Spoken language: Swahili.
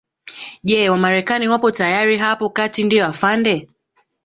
Je Wamarekani wapo tayari hapo kati ndio afande